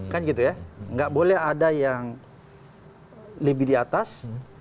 kan gitu ya nggak boleh ada yang lebih di atas